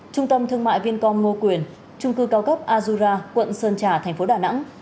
trung tâm thương mại vincom ngô quyền trung cư cao cấp azura quận sơn trà tp đà nẵng